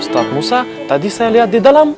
setelah musa tadi saya lihat di dalam